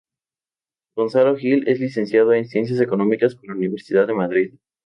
Gonzalo Gil es licenciado en Ciencias Económicas por la Universidad de Madrid.